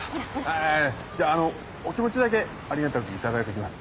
あじゃああのお気持ちだけありがたく頂いときます。